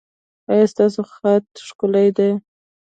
ایا ستاسو خط ښکلی دی؟